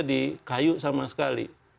di kayu sama sekali